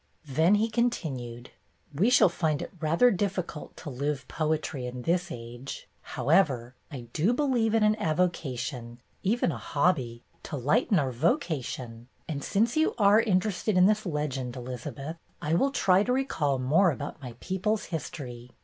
Then he continued: "We shall find it rather difficult to live poetry in this age. How ever, I do believe in an avocation, even a hobby, to lighten our vocation, and since you are interested in this legend, Elizabeth, I will try to recall more about my people's history.